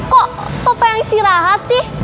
kok papa yang istirahat sih